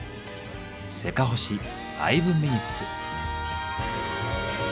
「せかほし５ｍｉｎ．」。